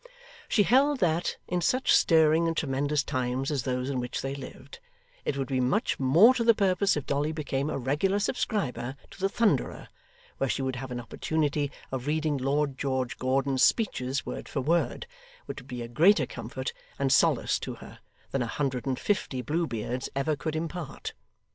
She held that, in such stirring and tremendous times as those in which they lived, it would be much more to the purpose if Dolly became a regular subscriber to the Thunderer, where she would have an opportunity of reading Lord George Gordon's speeches word for word, which would be a greater comfort and solace to her, than a hundred and fifty Blue Beards ever could impart.